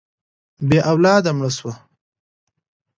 بې اولاده مړه شوه.